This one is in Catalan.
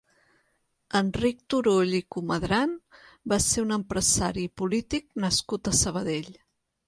Enric Turull i Comadran va ser un empresari i polític nascut a Sabadell.